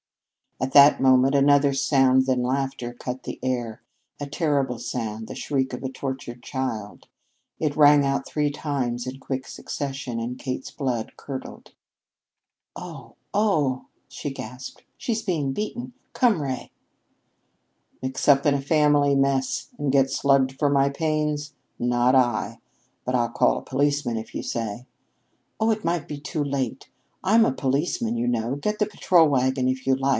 At that moment another sound than laughter cut the air a terrible sound the shriek of a tortured child. It rang out three times in quick succession, and Kate's blood curdled. "Oh, oh," she gasped; "she's being beaten! Come, Ray." "Mix up in some family mess and get slugged for my pains? Not I! But I'll call a policeman if you say." "Oh, it might be too late! I'm a policeman, you know. Get the patrol wagon if you like.